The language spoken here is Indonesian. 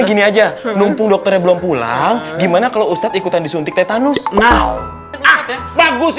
gini aja numpung dokternya belum pulang gimana kalau ustadz ikutan disuntik tetanus wow bagus